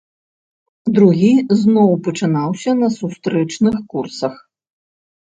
Другі зноў пачынаўся на сустрэчных курсах.